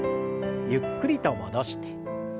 ゆっくりと戻して。